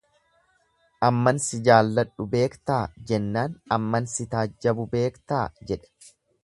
Amman si jaaladhu beektaa, jennaan amman si taajjabu beektaa jedhe.